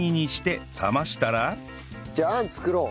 じゃああん作ろう。